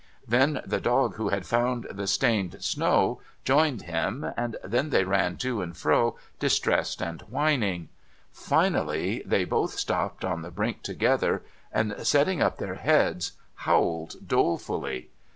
Then the dog who had found the stained snow joined him, and then they ran to and fro, distressed and whining. Finally, they both stopped on the brink together, and setting up their heads, howled dolefully.